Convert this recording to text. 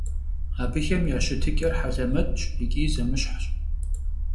Абыхэм я щытыкӀэхэр хьэлэмэтщ икӀи зэмыщхьщ.